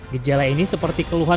gejala ini seperti keluhan